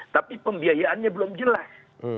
tapi pembiayaannya belum jelas